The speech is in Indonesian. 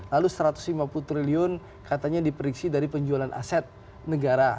lalu satu ratus lima puluh triliun katanya diprediksi dari penjualan aset negara